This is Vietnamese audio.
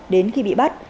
đến khi bị bắt